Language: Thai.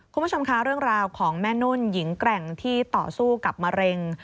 คุณผู้ชมคะเรื่องราวของแม่นุ่นหญิงแกร่งที่ต่อสู้กับมะเร็ง